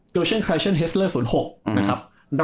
เกอร์วิชั่นคราชั่นเฮสเตอร์๐๖